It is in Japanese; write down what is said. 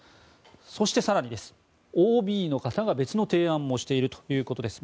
そして、更にＯＢの方が別の提案もしているということです。